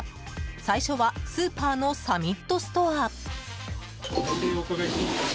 最初はスーパーのサミットストア。